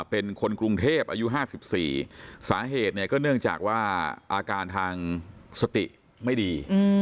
เป็นคนกรุงเทพอายุ๕๔สาเหตุเนี่ยก็เนื่องจากว่าอาการทางสติไม่ดี